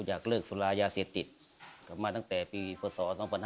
อยากเลิกสุรายาเสพติดกลับมาตั้งแต่ปีพศ๒๕๕๙